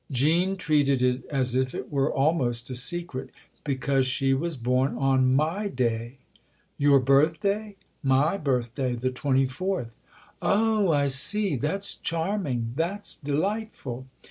Jean treated it as if it were almost a secret. " Because she was born on my day." " Your birthday ?" "My birthday the twenty fourth." " Oh I see ; that's charming that's delightful